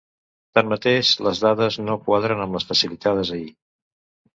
Tanmateix, les dades no quadren amb les facilitades ahir.